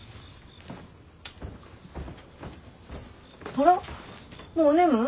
あらもうおねむ？